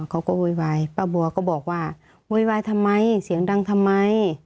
โวยวายป้าบัวก็บอกว่าโวยวายทำไมเสียงดังทำไม